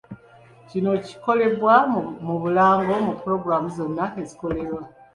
Kino kikolebwe mu bulango mu pulogulaamu zonna ezikolebwa.